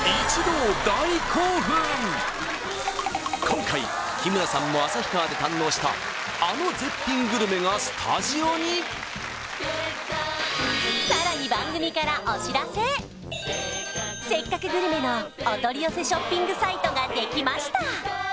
今回日村さんも旭川で堪能したあの絶品グルメがスタジオにさらに「せっかくグルメ」のお取り寄せショッピングサイトができました